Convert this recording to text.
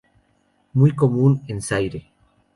Muy común en Zaire.